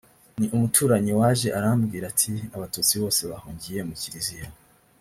ni umuturanyi waje arambwira ati abatutsi bose bahungiye mu kiliziya